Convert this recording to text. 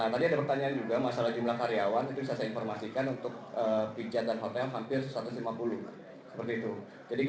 kami akan melakukan upaya upaya terlebih dahulu agar bisa tetap berjalan